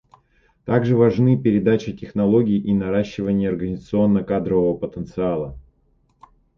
Также важны передача технологий и наращивание организационно-кадрового потенциала.